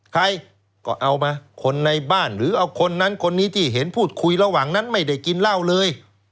ใครก็เอามาคนในบ้านหรือเอาคนนั้นคนนี้ที่เห็นพูดคุยระหว่างนั้นไม่ได้กินเหล้าเลย